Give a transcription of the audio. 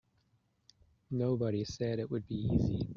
Nobody said it would be easy.